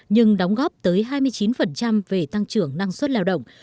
nhưng đóng góp tới hai mươi chín về tăng trưởng năng suất lao động